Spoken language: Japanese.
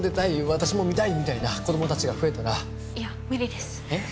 「私も見たい」みたいな子供達が増えたらいや無理ですえっ？